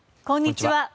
こんにちは。